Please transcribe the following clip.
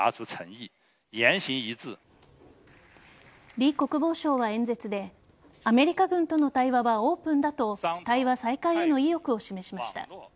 リ国防相は演説でアメリカ軍との対話はオープンだと対話再開への意欲を示しました。